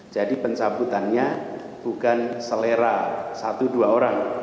jadi pencabutannya bukan selera satu dua orang